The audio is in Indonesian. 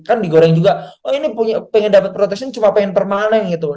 kan di goreng juga oh ini pengen dapet protection cuma pengen permanen gitu